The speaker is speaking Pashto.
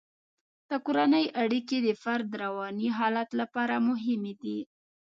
د کورنۍ اړیکې د فرد د رواني حالت لپاره مهمې دي.